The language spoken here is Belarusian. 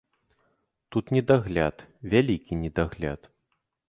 Тут недагляд, вялікі недагляд.